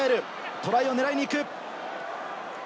トライを狙いに行く。